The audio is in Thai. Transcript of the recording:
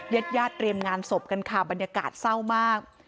เย็ดเตรียมงานศพกันค่ะบรรยากาศเศร้ามาก